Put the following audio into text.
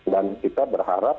dan kita berharap